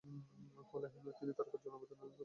ফলে তিনি তারকা যৌন আবেদনের প্রতীক হয়ে ওঠেন।